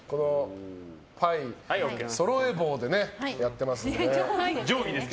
牌をそろえ棒でやってますね。